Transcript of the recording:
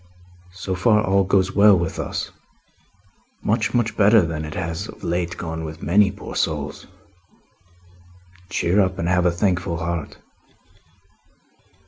So far all goes well with us much, much better than it has of late gone with many poor souls. Cheer up, and have a thankful heart."